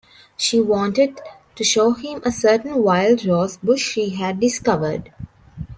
She wanted to show him a certain wild-rose bush she had discovered.